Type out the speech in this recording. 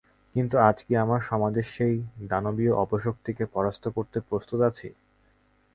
কিন্তু আজ কি আমরা সমাজের সেই দানবীয় অপশক্তিকে পরাস্ত করতে প্রস্তুত আছি?